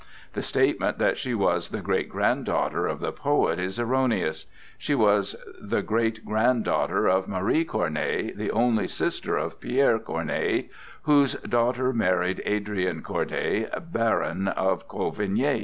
The statement that she was the great granddaughter of the poet is erroneous. She was the great granddaughter of Marie Corneille, the only sister of Pierre Corneille, whose daughter married Adrian Corday, Baron of Cauvigny.